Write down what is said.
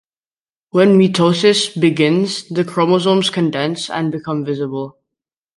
When mitosis begins, the chromosomes condense and become visible.